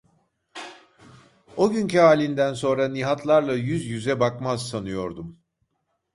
O günkü halinden sonra Nihatlarla yüz yüze bakmaz sanıyordum…